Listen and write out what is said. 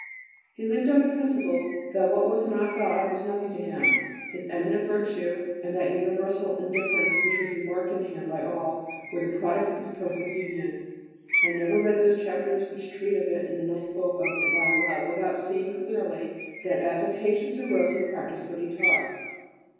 He lived on the principle that what was not God was nothing to him. His eminent virtue and that universal indifference which was remarked in him by all were the product of this perfect union. I never read those chapters which treat of it in the ninth book of "Divine Love" without seeing clearly that as occasions arose he practised what he taught.